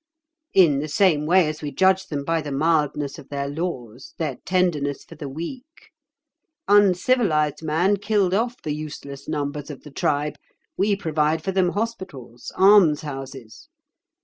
"In the same way as we judge them by the mildness of their laws, their tenderness for the weak. Uncivilised man killed off the useless numbers of the tribe; we provide for them hospitals, almshouses.